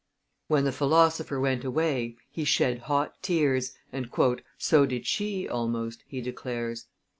When the philosopher went away, he shed hot tears, and "so did she, almost," he declares.